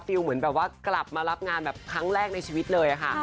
เหมือนแบบว่ากลับมารับงานแบบครั้งแรกในชีวิตเลยค่ะ